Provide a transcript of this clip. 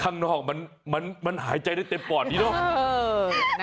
ข้างนอกมันหายใจได้เต็มปอดนี้เนอะ